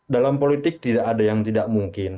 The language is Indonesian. dalam politik tidak ada yang tidak mungkin